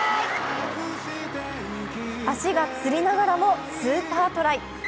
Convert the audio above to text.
足がつりながらもスーパートライ。